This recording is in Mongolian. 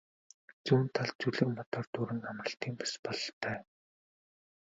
Зүүн талд зүлэг модоор дүүрэн амралтын бүс бололтой.